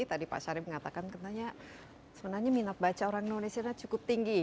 tadi pak syarif mengatakan katanya sebenarnya minat baca orang indonesia cukup tinggi